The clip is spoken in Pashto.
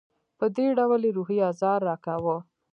په دې ډول یې روحي آزار راکاوه.